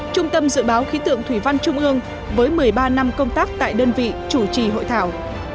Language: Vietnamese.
trung tâm dự báo khí tượng thủy văn trung ương với một mươi ba năm công tác tại đơn vị chủ trì hội thảo